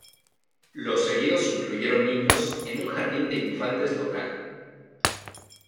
Los heridos incluyeron niños en un jardín de infantes local.